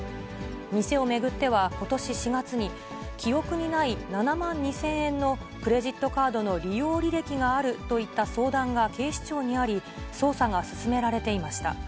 店を巡っては、ことし４月に、記憶にない７万２０００円のクレジットカードの利用履歴があるといった相談が警視庁にあり、捜査が進められていました。